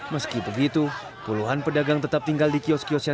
meski begitu puluhan pedagang tetap tinggal di kiosk kiosk